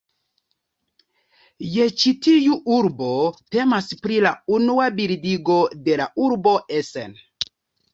Je ĉi tiu urbo temas pri la unua bildigo de la urbo Essen.